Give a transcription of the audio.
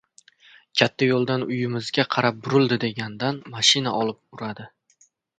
Katta yo‘ldan uyimizga qarab burildi degandan mashina olib uradi.